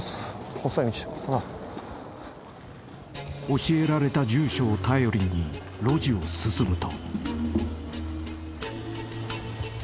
［教えられた住所を頼りに路地を進むと］